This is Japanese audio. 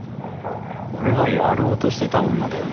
俺がやろうとしてた女だよな。